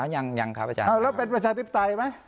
ยังครับอาจารย์แล้วเป็นประชาธิปไตยไหม